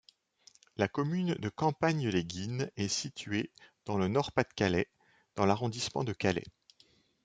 La commune de Campagne-les-Guines est située dans le Nord Pas-de-Calais dans l'arrondissement de Calais.